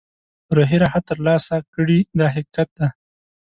روحي راحت ترلاسه کړي دا حقیقت دی.